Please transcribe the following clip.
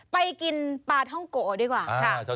ไปกินปลาท่องโกดีกว่าค่ะ